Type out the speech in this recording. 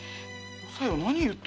おさよ何言って。